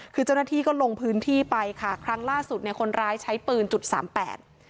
คือเจ้าหน้าที่ก็ลงพื้นที่ไปค่ะครั้งล่าสุดเนี่ยคนร้ายใช้ปืนจุดสามแปด